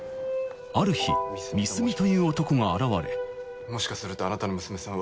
ある日三角という男が現れもしかするとあなたの娘さんは。